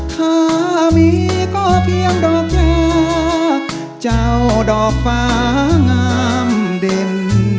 ถ้ามีก็เพียงดอกยาเจ้าดอกฟ้างามเด่น